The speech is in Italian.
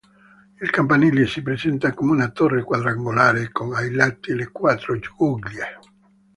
Il campanile si presenta come una torre quadrangolare con ai lati le quattro guglie.